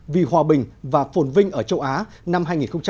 vì hòa bình và phồn vinh ở châu á năm hai nghìn một mươi bốn